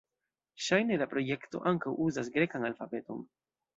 Ŝajne la projekto ankaŭ uzas grekan alfabeton.